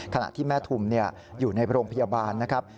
ขณะที่แม่ทุมอยู่ในโรงพยาบาลนะครับ